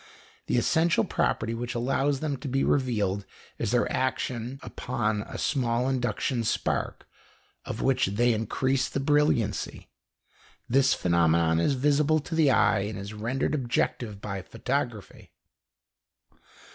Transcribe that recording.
The essential property which allows them to be revealed is their action on a small induction spark, of which they increase the brilliancy; this phenomenon is visible to the eye and is rendered objective by photography.